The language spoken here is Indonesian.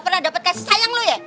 udah dapet kasih sayang lu ya